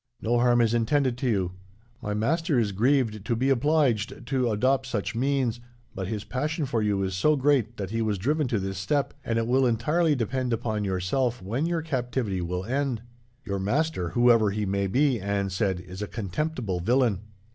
No harm is intended to you. My master is grieved to be obliged to adopt such means, but his passion for you is so great that he was driven to this step, and it will entirely depend upon yourself when your captivity will end.' "'Your master, whoever he may be,' Anne said, 'is a contemptible villain.'